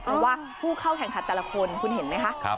เพราะว่าผู้เข้าแข่งขันแต่ละคนคุณเห็นไหมคะ